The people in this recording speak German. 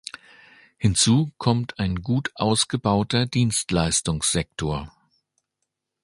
Hinzu kommt ein gut ausgebauter Dienstleistungssektor.